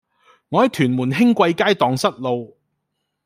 我喺屯門興貴街盪失路